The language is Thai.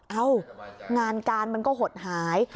เอ้างานการมันก็หดหาย